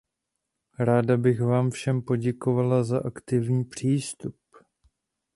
Ráda bych vám všem poděkovala za aktivní přístup.